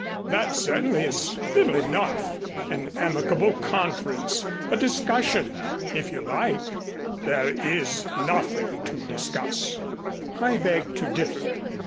That certainly is little enough, an amicable conference, a discussion if you like " "There is nothing to discuss." "I beg to differ.